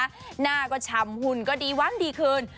หน้าก็ชำหุ่นก็ดีวันดีคืน